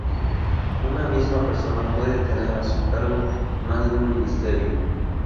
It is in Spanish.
Una misma persona puede tener a su cargo más de un ministerio.